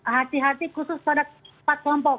hati hati khusus pada empat kelompok